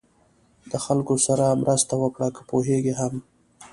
د خلکو سره مرسته وکړه که پوهېږئ هم.